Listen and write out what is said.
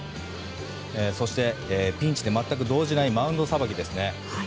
そしてピンチで全く動じないマウンドさばきですね。